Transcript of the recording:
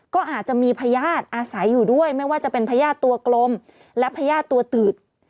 ก็อาจจะมีพญาติอาศัยอยู่ด้วยไม่ว่าจะเป็นพญาติตัวกลมและพญาติตัวตืด